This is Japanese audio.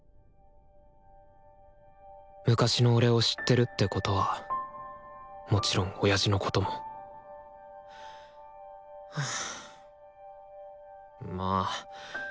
昔の俺を知ってるってことはもちろん親父のこともはあまあ